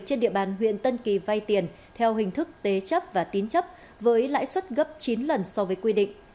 trên địa bàn huyện tân kỳ vay tiền theo hình thức tế chấp và tín chấp với lãi suất gấp chín lần so với quy định